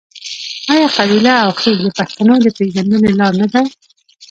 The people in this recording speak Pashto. آیا قبیله او خیل د پښتنو د پیژندنې لار نه ده؟